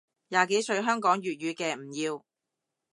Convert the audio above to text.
廿幾歲香港粵語嘅唔要